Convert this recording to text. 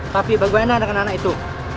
tapi bagaimana anak anak itu